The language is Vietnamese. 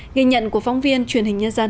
nghi nhận của phóng viên truyền hình nhân dân